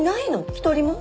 一人も？